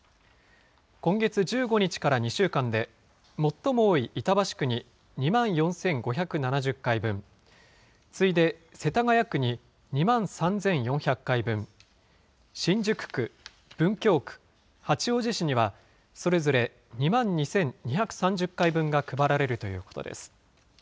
今月１５日から２週間で、最も多い板橋区に２万４５７０回分、次いで世田谷区に２万３４００回分、新宿区、文京区、八王子市にはそれぞれ２万２２３０回分が配られるということです。